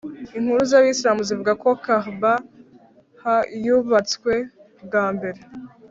inkuru z’abisilamu zivuga ko “kaʽbah yubatswe bwa mbere